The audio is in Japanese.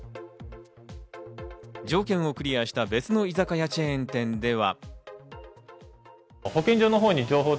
条件をクリアした別の居酒屋チェーン店では。